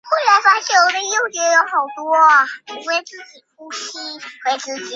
大陆证券交易的监管机构为中国证券监督管理委员会。